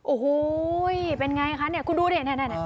โอ้โหเป็นไงคะเนี่ยคุณดูดินี่